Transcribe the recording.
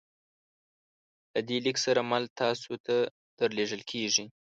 له دې لیک سره مل تاسو ته درلیږل کیږي